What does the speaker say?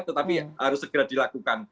tetapi harus segera dilakukan